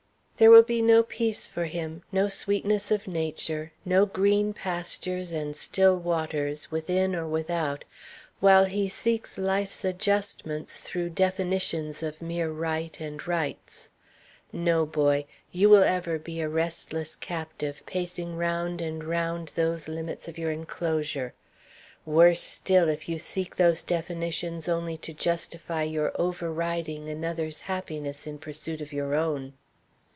"There will be no peace for him, no sweetness of nature, no green pastures and still waters, within or without, while he seeks life's adjustments through definitions of mere right and rights. No, boy; you will ever be a restless captive, pacing round and round those limits of your enclosure. Worse still if you seek those definitions only to justify your overriding another's happiness in pursuit of your own."